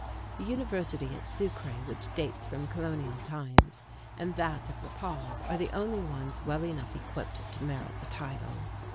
The university at Sucre, which dates from colonial times, and that of La Paz, are the only ones well enough equipped to merit the title.